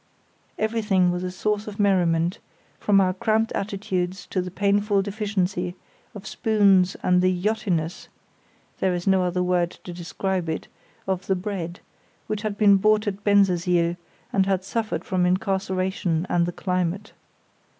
Everything was a source of merriment, from our cramped attitudes to the painful deficiency of spoons and the "yachtiness" (there is no other word to describe it) of the bread, which had been bought at Bensersiel, and had suffered from incarceration and the climate.